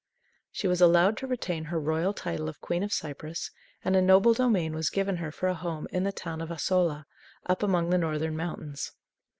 She was allowed to retain her royal title of Queen of Cypus, and a noble domain was given her for a home in the town of Asola, up among the northern mountains.